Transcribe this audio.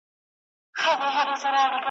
چي پر قام خدای مهربان سي نو سړی پکښي پیدا کړي .